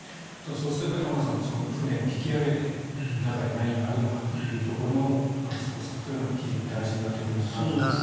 そして、玉川さん船を引き揚げて中に何があるのかというところの捜索というのは非常に大事になってくるんだなと思います。